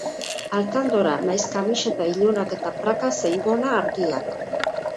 Alkandora nahiz kamiseta ilunak eta praka zein gona argiak.